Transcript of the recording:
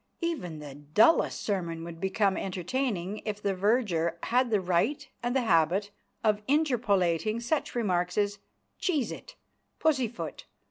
Even the dullest sermon would become entertaining if the verger had the right and the habit of interpolating such remarks as: "Cheese it, Pussyfoot!"